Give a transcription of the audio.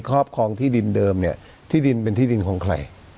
ครอบครองที่ดินเดิมเนี่ยที่ดินเป็นที่ดินของใคร